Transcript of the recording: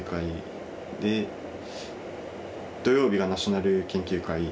土曜日がナショナル研究会。